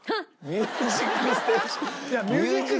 『ミュージックステーション』。